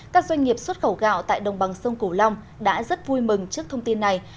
các doanh nghiệp xuất khẩu gạo tại đồng bằng sông cửu long đã rất vui mừng trước thông tin này